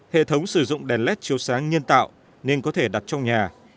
hệ thống sử dụng đèn led chiều sáng nhân tạo nên có thể đặt trong nhà